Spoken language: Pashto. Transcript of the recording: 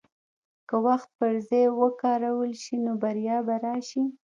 که وخت پر ځای وکارول شي، نو بریا به راشي.